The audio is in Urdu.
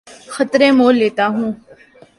خطرے مول لیتا ہوں